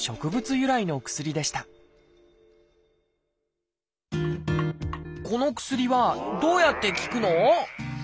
由来の薬でしたこの薬はどうやって効くの？